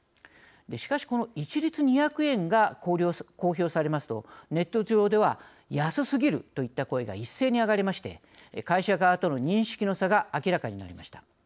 しかしこの一律２００円が公表されますとネット上では安すぎるといった声が一斉に上がりまして会社側との認識の差が明らかになりました。